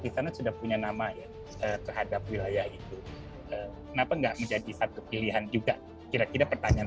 di sana sudah punya nama ya terhadap wilayah itu kenapa enggak menjadi satu pilihan juga kira kira pertanyaan